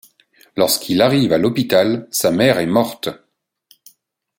Lorsqu'il arrive à l'hôpital, sa mère est morte.